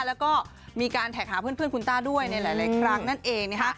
แล้วก็มีการแท็กหาเพื่อนคุณต้าด้วยในหลายครั้งนั่นเองนะคะ